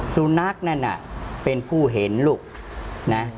สุนัขนั่นน่ะเป็นผู้เห็นลูกนะ